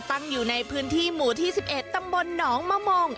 ตั้งอยู่ในพื้นที่หมู่ที่๑๑ตำบลหนองมะมง